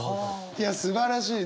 いやすばらしい。